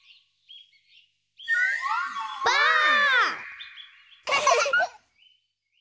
ばあっ！